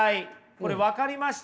これ分かりました？